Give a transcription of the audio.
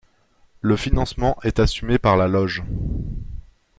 Le financement est assumé par la loge.